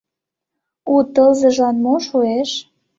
У тылзыжлан мо шуэш?